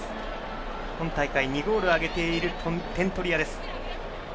今大会、２ゴールを挙げている点取り屋です。